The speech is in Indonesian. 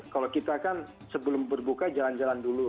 kalau kita kan sebelum berbuka jalan jalan dulu